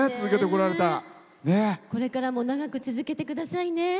これからも長く続けてくださいね。